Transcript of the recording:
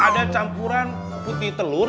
ada campuran putih telur